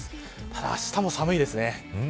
ただ、あしたも寒いですね。